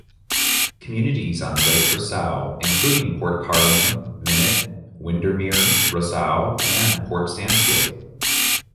Communities on Lake Rosseau include Port Carling, Minett, Windermere, Rosseau and Port Sandfield.